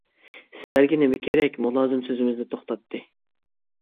-سىلەرگە نېمە كېرەك؟ مۇلازىم سۆزىمىزنى توختاتتى.